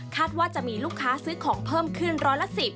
ว่าจะมีลูกค้าซื้อของเพิ่มขึ้นร้อยละ๑๐